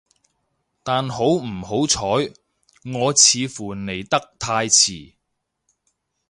但好唔好彩，我似乎嚟得太遲